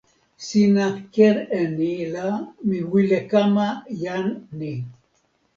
sina ken e ni la mi wile kama jan ni.